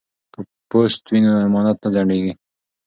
که پوست وي نو امانت نه ځنډیږي.